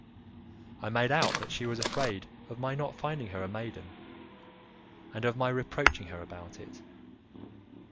I made out that she was afraid of my not finding her a maiden, and of my reproaching her about it.